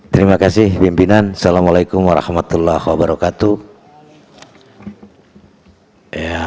terima kasih pimpinan wa alaikumsalamu alaikum warahmatullahi wabarakatuh